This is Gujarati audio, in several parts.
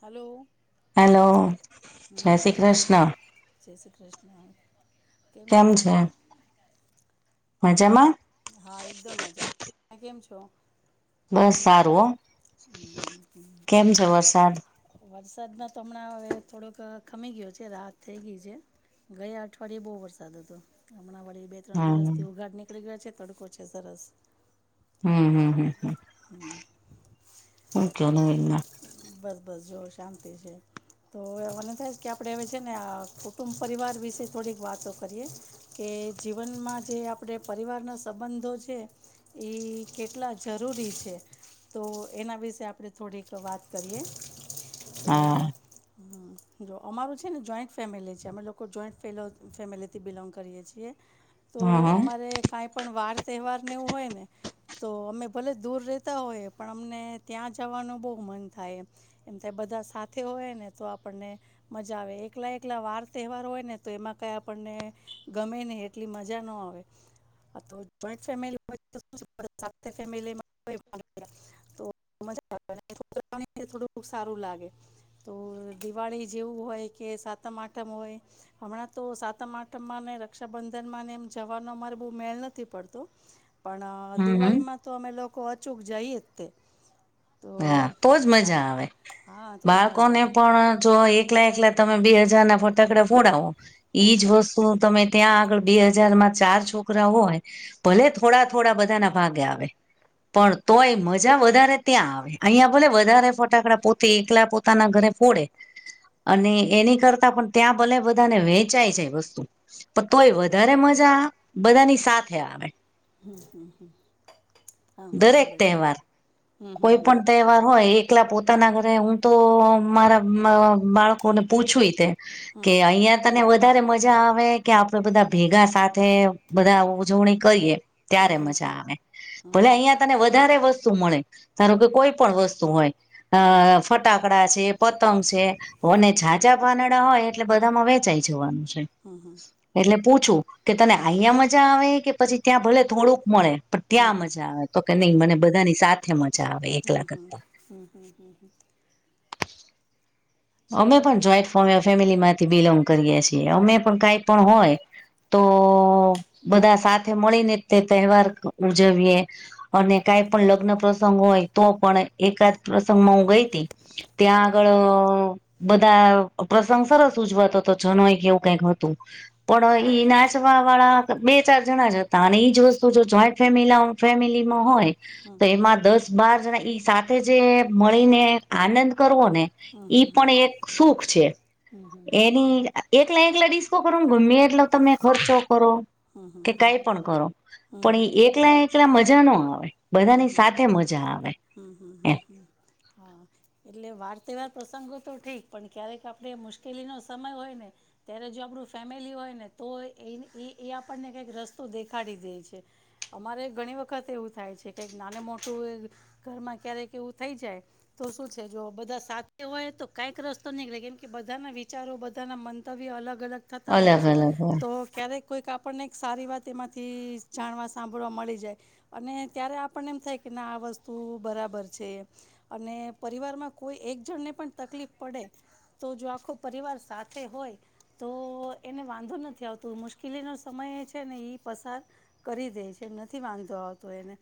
હલો. હેલો જય શ્રી કૃષ્ણ. જય શ્રી કૃષ્ણ. કેમ છે મજામાં હા એકદમ મજા ત કેમ છો? બસ સારું કેમ છે વરસાદ વરસાદમાં તો હમણાં હવે થોડોક ખમી ગયો છે રાહત થઈ ગઈ છે. ગયા અઠવાડિયે બહુ વરસાદ હતો હમણાં વડી બે ત્રણ દિવસ હમ થી ઉઘાડ નીકળી ગયા છે તડકો છે સરસ. હમ હમ હમ હમ. હમ. ઓમકે નવેના બસ બસ જોવ શાંતિ છે. તો મને થાય કે આપડણે હવે છે ને કુટુંબ પરિવાર વિશે થોડીક વાતો કરીએ કે જીવનમાં જે આપણે પરિવારના સંબંધો છે. એ કેટલા જરૂરી છે તો એના વિશે આપણે થોડીક વાત કરીએ તે હા હ જો અમારું છે ને જોઈન્ટ ફેમિલી છે અમે લોકો જોઈન્ટ ફેલો ફેમિલીથી બિલોંગ કરીએ છીએ. [inaudible] તો અમારે કાંઈ પણ વાર તહેવારને એવું હોય ને તો અમે ભલે દૂર રહેતા હોયએ પણ અમને ત્યાં જવાનું બહુ મન થાય એમ એમ થાય બધા સાથે હોય ને તો આપણને મજા આવે એકલા એકલા વાર તહેવારો હોય ને તો એમાં કઈ આપણને ગમે ને એટલી મજા ન આવે. તો જોઈન્ટ ફેમિલી હોય [unintelligible] તો તો મજા આવે [inaudible] [unintelligible] થોડું સારું લાગે. તો દિવાળી જેવું હોય કે સાતમ આઠમ હોય. હમણાં તો સાતમ આઠમમાં ને રક્ષાબંધન માં ને એમ જવાનો અમારે બહુ મેળ નથી પડતો. [inaudible] પણ હમ હમ દિવાળીમાં તો અમે લોકો અચૂક જઈએ જ તે તો હા તોજ હા મજા આવે હા તો જ બાળકોને મજા પણ આવે પણ જો એકલા એકલા તમે બે હજાર ના ફટાકડા ફોડાવો હમ હમ. ઈજ વસ્તુ તમે ત્યાં આગળ બે હજાર માં ચાર છોકરા હોય ભલે થોડા થોડા બધાના ભાગે આવે પણ તોય મજા વધારે ત્યાં આવે અહીંયાભલે વધારે ફટાકડા પોતે એકલા પોતાના ઘરે ફોડે અને એની કરતા પણ ત્યાં ભલે બધાને વેંચાય છે વસ્તુ પણ તોય વધારે મજા બધાની સાથે આવે. હમ હમ હ. હા દરેક બરાબર છે તહેવાર. કોઈ પણ તહેવાર હોય એકલા પોતાના ઘરે હું તો મારા બાળકો કોને પૂછ્યું તે કે હમ અહિયાંયા તને વધારે મજા આવે કે આપડે બધા ભેગા સાથે બધા ઉજવણી કરીએ હમ ત્યારે હમ હમ મજા આવે હમ હમ ભલે હમ અહિયાં તને વધારે વસ્તુ મળે. ધારો કે કોઈ પણ વસ્તુ હોય અ ફટ ફટાકડા છે પતંગ છે ઓને જાજા પાનડા હોય એટલે બધામાં વેચાઈ જવાનું છે. હમ હમ એટલે પૂછું કે તને અહીંયા મજા આવે કે પછી ત્યાં ભલે થોડુંક મળે. પણ હમ ત્યાં હમ મજા આવે તો કે હમ નહીં હમ મને બધાની સાથે મજા આવે હમ એકલા હમ કરતા હમ હમ હમ હમ. અમે એટલે પણ જોઈન્ટ ફેમિલી માંથી બિલોંગ કરીએ છીએ અમે પણ કાઈ પણ હોય. તો બધા સાથે મળીને તે તહેવાર ઉજવીએ. અને કઈ પણ લગ્ન પ્રસંગ હોય તો પણ એકાદ પ્ર મું ગઈતી ત્યાં આગળ બધા પ્રસંગ સરસ ઉજવાતો તો જનોઈ એવું કઈક હતું. પણ નાચવા વાળા બે ચાર જણા હતા અને એઈજ વસ્તુ જો જોઈન્ટ ફેમ ફેમિલીમાં હોય. હમ. તો એમાં દસ બાર જણા ઈ સાથે જે મળીને આનંદ કરવો ને હમ ઈ હમ હમ પણ એક સુખ છે એની એકલા એકલા ડીસ્કો કરો ગમે એટલો તમે ખર્ચો કરો. હમ હમ કે હમ કઈ પણ કરો હમ પણ હમ એ એક એકલા એકલા મજા ન આવે હમ બધાની હમ સાથે મજા આવે. હમ, હમ, હમ, એમ હમ. હા એટલે વાર તહેવાર પ્રસંગો તો ઠીક પણ ક્યારેક આપણે મુશ્કેલીનો સમય હોય ને ત્યારે જો આપણું ફેમિલી હોય ને તો એ એ આપણને કઈક રસ્તો દેખાડી દે છે. અમારે ઘણી વખત એવું થાય છે કેક નાને મોટું ઘરમાં ક્યારેક એવું થઈ જાય. તો શું છે જો બધા સા હોય તો કઈક રસ્તો નીકળે કેમ કે બધાના વિચારો બધાના મન તવી્ય અલગ અલગ થતા હોય અલગ છે અલગ હોય તો ક્યારેક કોઈક આપણને સારી વાત એમાંથી જાણવા સાંભળવા મળી જાય. અને ત્યારે આપણને એમ થાય કે ના આ વસ્તુ તું બરાબર છે અને પરિવારમાં કોઈ એક જણને પણ તકલીફ પડે. તો જો આખો પરિવાર સાથે હોય તો એને વાંધો નથી આવતું મુશ્કેલીનો સમય છે ને પસાર કરી દે છે એમ નથી વાંધો આવતો એને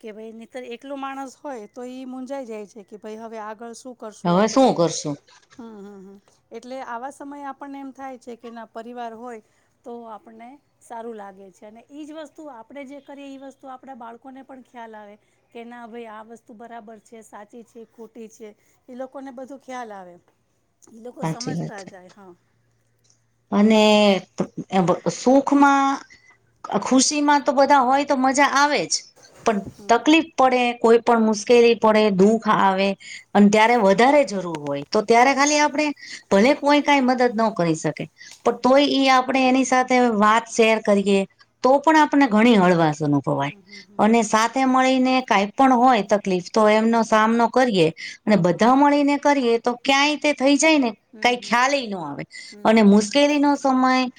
કે ભાઈ નીરક એક એટલો માણસ હોય તો એ મુંજાઈ જાય છે કે ભાઈ હવે આગળ શું કરશું હવે શું આપણે. કરશું હમ હમમ એટલે આવા સમયે આપણને એમ થાય છે કે ના પરિવાર હોય તો આપણે સારું લાગે છે અને એ જ વસ્તુ આપણે જે કરીએ એ વસ્તુ આપણા બાળકોને પણ ખ્યાલ આવે. કે ના ભાઈ આ વસ્તુ બરાબર છે સાચી છે ખોટી છે. એ લોકોને બધું ખ્યાલ આવે એ લોકો સાચી વાત સમજતા છે જાય હા. અને સુખમાં ખુશી માં તો બધા હોય તો મજા આવે જ. પણ તકલીફ પડે કોઈ પણ મુશ્કેલી પડે દુઃખ આવે અને ત્યારે વધારે જરૂર હોય તો ત્યારે ખાલી આપણે ભલે કોઈ કઈ મદદ ન કરી શકે. પણ તોય એ આપણેે એની સાથે વાત શેર કરીએે તો પણ આપને ઘણી હળવાશ અનુભવાય હમ હમ હમ અને હમ સાથે મળીને કાંઈ પણ હોય તકલીફ તો એમનો હમ સામનો કરીએ હા અને હા બધા મળીને કરીએ તો ક્યાંય થઈ જાય ને કઈ હમ હમ ખ્યાલ ન આવે હમ અને હમ મુ નો સમય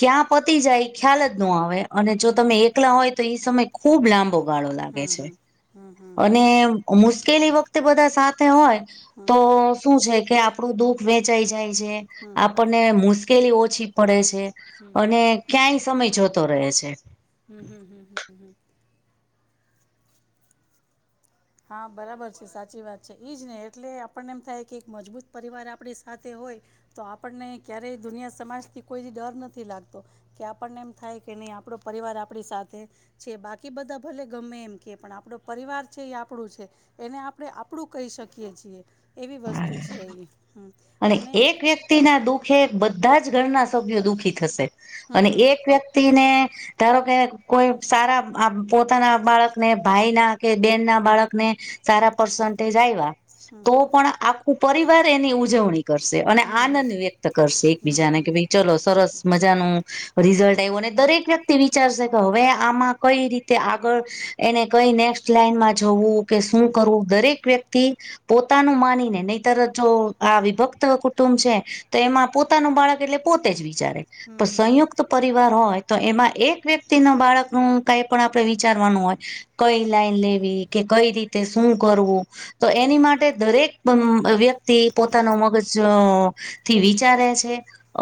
ક્યાં પતી જાય ખ્યાલ જ ન આવે અને જો હમ હમ તમે એકલા હોય તો એ સમય ખુબ લાંબો ગાળો હમ લાગે હમ છે, હમ હમ હમ હમ હમ હમ અને મુશ્કેલી એ વખતે બધા સાથે હોય. તો શું છે કે આપડું દુઃખ વેચાઈ જાય છે આપણને મુશ કેલી ઓછી પડે છે હમ અને ક્યાંય સમય જોતો રહે છે. હમ હમ હમ હમ હમ. હા બરાબર છે સાચી વાત છે એઈજ ને એટલે આપણને એમ થાય કે એક મજબૂત પરિવાર આપણી સાથે હોય. તો આપણને ક્યારેય દુનિયા સમાજ થી કોઈ ડર નથી લાગતો. કે આપણને એમ થાય કે નહી આપણો પરિવાર આપણી સાથે છે બાકી બધા ભલે ગમે એમ કે પણ આપડો પરિવાર છે આપણું છે એને આપણે આપણું કહી શકીએ છીએ એવી વસ્તુ છે એ. અને એક વ્યક્તિના દુઃખે બધા જ ઘરના સભ્યો દુઃખી થશે હમ હમ હમ હમ હમ હમ હમ હમ હમ હમ હમ અને એક વ્યક્તિ વ્યક્તિને ધારો કે કોઈ સારા પોતાના બાળકને ભાઈ ના કે બેન ના બાળક ને સારા પર્સન્ટેજ આવ્યા તો પણ આખું પરિવાર એની ઉં જવણી કરશે અને આનંદ વ્યક્ત કરશે એકબીજાને કે ભાઈ ચલો સરસ મજાનું રિઝલ્ટ આવ્યો ને દરેક વ્યક્ તી વિચારશે કે હવે આમાં કઈ રીતે આગળ એને કઈ નેક્સ્ટ લાઈનમાં જવું કે શું હમ કરવું દરેક વ્યક્તિ પોતાનું માનીને નહીતર જો આ વિભક્ત કુટુંબ છે તો એમાં પોતાનું બાળક એટલે પોતે જ વિચારે. હમ પણ હમ હમ હમ સંયુક્ત પરિવાર હોય તો એમાં એક વ્યક્ તેના બાળકનું કાઈ પણ આપડે વિચારવાનું હોય કઈ લાઈન લેવી કે કઈ રીતે શું કરવું તો એની માટે દરેક અમ્મ વ્યક્તિ પોતાનો મગજ અહ થી વિચારે છે.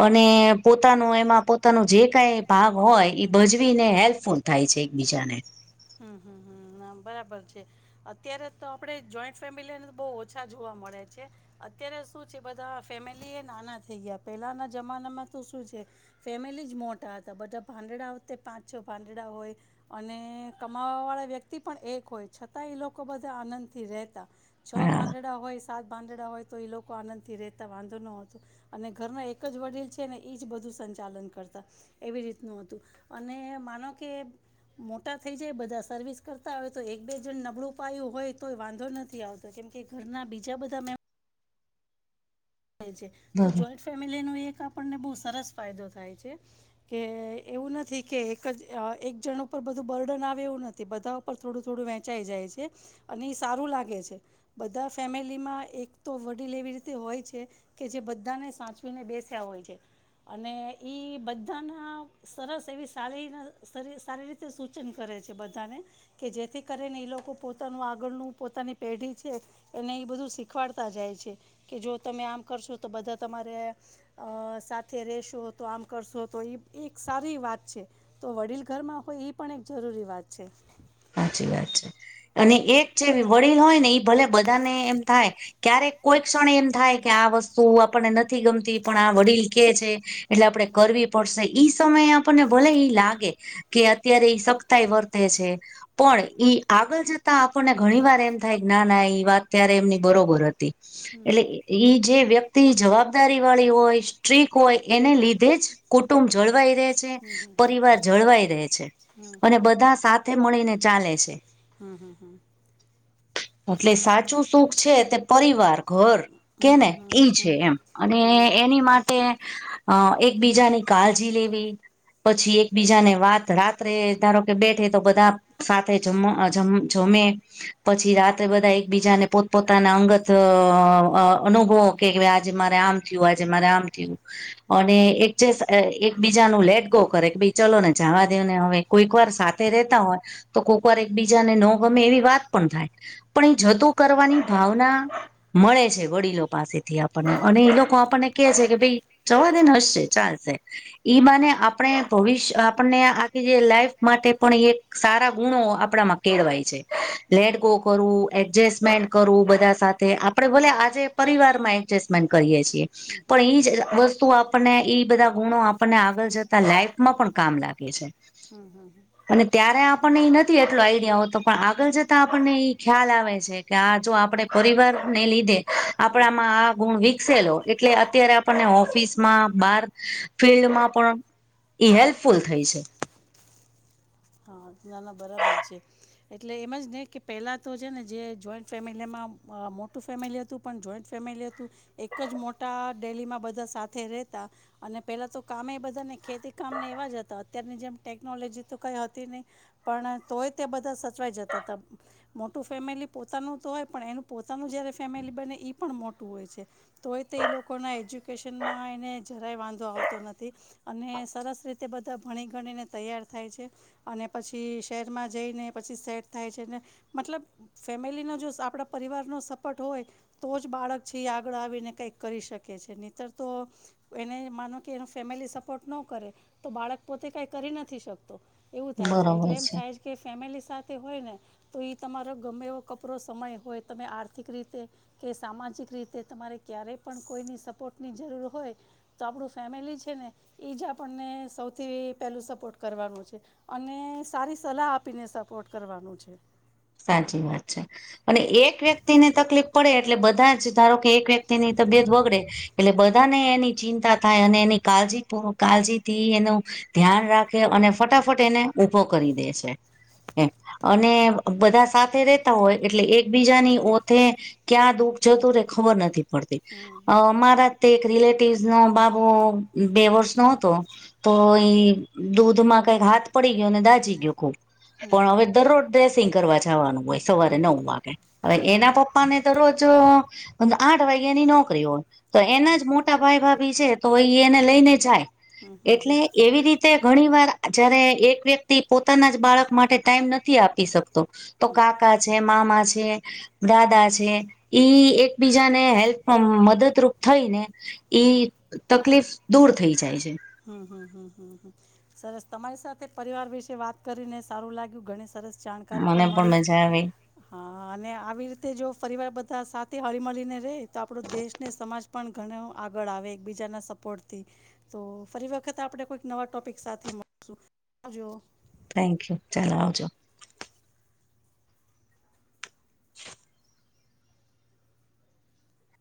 અને પોતાનું એમાં પોતાનું જે કઈ ભાગ હોય એ ભજવી ને હેલ્પફુલ થાય છે એકબીજાને. હમ્મ હમ્મ હમ્મ હા બરાબર છે. અત્યારે તો આપડે જોઈન્ટ ફેમિલીને બહુ ઓછા જોવા મળે છે. અત્યારે શું છે બધા ફેમિલી એ નાના થઈ ગયા પેલાના જમાનામાં તો શું છે ફેમિલી જ મોટા હતા બધા ભાંદડાતે પાંચ છો ભાંદડા હોય અને કમાવાળા વ્યક્તિ પણ એક હોય છતાં એ લોકો બધા આનંદથી રહેતા. છો હા ભાંદડા હોય સાત ભાંદડા હોય તો એ લોકો આનંદ થી રેતા વાંધો ના હતો અને ઘરના એક જ વડીલ છે ને એ જ બધું સંચાલન કરતા. એવી રીતનું હતું અને માનો કે મોટા થઈ જાય બધા સર્વિસ કરતા હોય તો એક બે જણ નબળું પાયું હોય તો વાંધો નથી આવ તો કેમ કે ઘરના બીજા બધા મે થાય છે. તો બરોબર જોઈન્ટ ફેમિલી ન એક આપણને બહુ સરસ ફાયદો થાય છે કે એવું નથી કે એક જ અહ એક જણ ઉપર બધું બર્ડન આવે એવું નથી બધા પર થોડું થોડું વેંચાઈ જાય છે. અને એ સારું લાગે છે બધા ફેમિલીમાં એક તો વડીલ એવી રીતે હોય છે કે જે બધાને સાચવીને બેસ્યા હોય છે. અને ઈ બધાના સરસ એવી શારી ના શરીર સારી તે સૂચન કરે છે બધાને કે જેથી કરીને એ લોકો પોતાનું આગળનું પોતાની પેઢી છે એને એ બધું શીખવાડતા જાય છે કે જો તમે આમ કરશો તો બધા તમારે અહ સાથે રહેશો તો આમ કરશો તો એ એક સારી વાત છે. તો વડીલ ઘરમાં હોય ઈ પણ એક જરૂરી વાત છે. સાચી વાત છે અને એક જે વડીલ હોય ને ઈ ભલે બધાને એમ થાય ક્યારેક કોઈ ક્ષણ એમ થાય કે આ વસ્તુ આપનડને નથ થી ગમતી પણ આ વડીલ કે છે એટલે આપડે કરવી પડશે ઈ સમયે આપણને ભલે ઈ લાગે કે અત્યારે એ સખ્તાય વર્તે છે પણ ઈ આગળ જતા આપણને ઘણી વાર એમ થાય ના ના ઈ વાત ત્યારે એમની બરોબર હતી. એટલે ઈ જે વ્યક્તિ જવાબદારી વાળી હોય સ્ટ્રીક હોય એને લીધે જ કુટુંબ જળવાઈ રહે પરિવાર જળવાઈ રહેે છે હમ અને બધા સાથે મળીને ચાલે છે હા હા હા એટલે સાચું સુખ છે તે પરિવાર ઘર કે ને હમ ઈ છે હમ એમ અને હમ એ-એની માટે અહ એકબીજાની કાળજી લેવી પછી એકબીજાને વાત રાત્રે ધારો કે બેઠે તો બધા સાથે જમમ જમે પછી રાત્રે બધા એક બીજાને પોતપોતાના અંગત અનુભવ કે આજે મારે આમ થયું આ જેમાં રામ થયું અને એક જે એકબીજા ન લેટ ગો કરે કે ભ ચલો ને જવા દે ને હવે કોઈક વાર રેતા હોય તો કુકર એક બીજાને ન ગમે એવી વાત પણ થાય પણ એ જતોું કરવાની ભાવના મળે છે વડીલો પાસેથી આપણને અને એ લોકો આપણને કે છે કે ભાઈ જવા દન હશે ચાલશે ઈ માને આપણે ભવિષ્ય આપણને આખી જે લાઈફ માટે પણ એક સારા ગુણો આપડામાં કેળવાય છે લેટ ગો કરું એડજસ્ટમેન્ટ કરવું બધા સાથે આપડણે ભલે આજે પરિવાર માં એડજસ્ટમેન્ટ કરીએ છીએ પણ એ જ વસ્તુ આપ આપણને એઈ બધા ગુણો આપણને આગળ જતા લાઈફ માં પણ કામ લાગે છે હમ હમ અને ત્યારે આપણને ઈ નથી એટલો આઈડિયાતો પણ આગળ જતા આપણને ઈ ખ્યાલ આવે છે કે આ જો આપે પરિવાર ને લીધે હમ આપણામાં આ ગુણ વ એટલે અત્યારે આપણને ઓફિસમાં બાર ફિલ્ડમાં પણ ઈ હેલ્પફુલ થઈ છે હા નાના બરાબર છે એટલે એમ જ નહીં કે પહેલા તો છે ને જે જોઈન્ટ ફેમિલીમાં મોટું ફેમિલી હતું હતું પણ જોઈન્ટ ફેમિલી હતું એક જ મોટા ડેલીમાં બધા સાથે રહેતા અને પેલા તો કામે બધા ને ખેતી કામ ને એવા જ હતા અત્યારની જેમ ટેકનોલોજી તો ક ન પણ તોય તે બધા સચવાઈ જતા હતા મોટું ફેમિલી પોતાનું તો હોય પણ એનું પોતાનું જયારે ફેમિલી બને પણ મોટું હોય છે તોય તો એ લોકોના એજ્યુકેશનમાં એને જરાય વાંધો આવતો નથી અને સરસ રીતે બધા ભણી ગણીને તૈયાર થાય છે અને પછી શહેરમાં જઈને પછી સેટ થાય છે ને મતલબ ફેમિલી ન જો આપડા પરિવાર નો સપોર્ટ હોય તો જ બાળક છે આગળ આવીને કંઈક કરી શકે છે નનીતર તો એને માનો કે એનો ફેમિલી સપોર્ટ ન કરે તો બાળક પોતે કાંઈ કરી નથી શકતો એવું થાય છે એટલે એમ થાય છે કે ફેમિલી સાથે હોય ને તો એ તમારો ગમે એવ કપરો સમય હોય તમે આર્થિક રીતે કે સામાજિક રીતે તમારે ક્યારેય પણ કોઈની સપોર્ટની જરૂર હોય તો આપણું ફેમિલી છે ને એ જ આપણને સૌથી પહેલું સપોર્ટ કરવાનું છે અને સારી સલાહ આપીને સપોર્ટ કરવાનું છે સાચી વાત છે અને એક વ્યક્તિને તકલીફ પડે એટલે બધા જ ારો કે એક વ્યક્તિ ની તબિયત બગડે એટલે બ બધાને એની ચિંતા થાય અને એની કાળજી પૂું કાળજીથી એનું ધ્યાન રાખે અને ફટાફટ એને ઉઊભો કરી દે છે અને બધા સાથે રેતા હોય એટલે એકબીજાની ઓથે ક્યાં દુઃખ જતું રે ખબર નથી હમ હમ મારા તે એક રિલેટિવ નો બાબુ બે વર્ષ નો હતો તો એ દૂધમાં કઈક હાથ પડી ગયોને દાજીી ગયો ખૂબ હમ પણ હમ હવે દરરોજ ડ્રેસિંગ કરવા જવાનું હોય સવારે નવ હમ હમ વાગે હમ હવે હમ હમ એના પપ્પા ને તો રોજ. આઠ વાગ્યાની નોકરી હોય તો હમ અચ્છા એના જ હમ મોટા ભાઈ ભાભી છે તો એય એને લઈને જાય. હમ એટલે હમ એવી રીતે તે ઘણી વાર જયારે એક વ્યક્તિ પોતાના જ બાળક માટે ટાઈમ નથી આપી શકતો તો હમ કાકા છે મામા છે દાદા છે ઈ એક બીજાને હેલ્પ મદદરૂપ થઈ ને હમ ઈ હમ તકલીફ દૂર થઈ જાય છે. હમમમ સરસ તમારી સાથે પરિવાર વિશે વાત કરીને સારું લાગ્યું ગણ. સરસ જાણકારી મને પણ મળી. મજા આવી હા અને આવી રીતે જો પરિવાર બધા સાથે હળી મળીને ર રહે તો આપણો દેશ ને સમાજ. પણ ઘણા આગળ આવે એકબીજાના સ્પોર્ટ થી તો. ફરી વખત આપણે કોઈક નવા ટોપિક સાથે મળશું આવજો. થેન્ક યુ ચાલો આવજો.